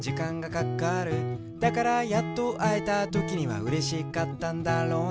「だからやっとあえたときにはうれしかったんだろうな」